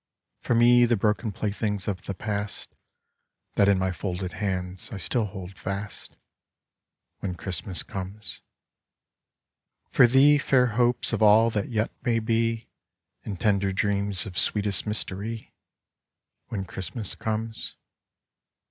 For me, the broken playthings of the past That in my folded hands I still hold fast, When Christmas comes. For thee, fair hopes of all that yet may be, And tender dreams of sweetest mystery, When Christmas comes.